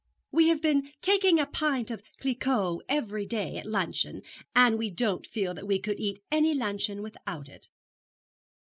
'We have been taking a pint of Cliquot every day at luncheon, and we don't feel that we could eat any luncheon without it.'